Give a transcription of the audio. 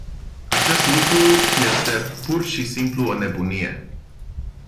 Acest lucru este, pur și simplu, o nebunie.